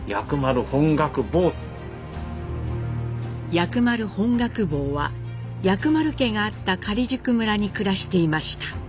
薬丸本覚坊は薬丸家があった假宿村に暮らしていました。